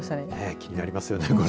気になりますよね、これ。